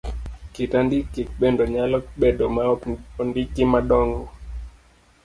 Kit andike bendo nyalo bedo ma ondiki madong'o.